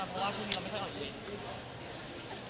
เพราะว่าช่วงนี้เราไม่เคยออกอีเวนต์เลยค่ะ